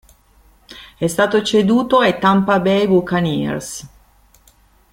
È stato ceduto ai Tampa Bay Buccaneers.